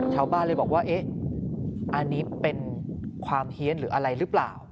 ชาวบ้านเลยบอกว่าเอ๊ะอันนี้เป็นความเฮียนหรืออะไรหรือเปล่า